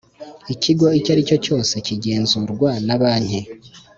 Ikigo icyo ari cyo cyose kigenzurwa na Banki